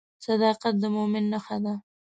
صداقت د مؤمن نښه ده.